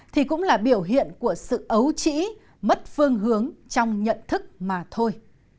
thì cũng là biểu hiện của sự ấu trĩ mất phương hướng trong nhận thức mà thôi